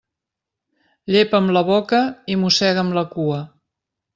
Llepa amb la boca i mossega amb la cua.